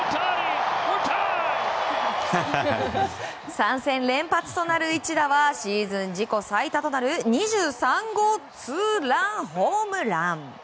３戦連発となる一打はシーズン自己最多となる２３号ツーランホームラン。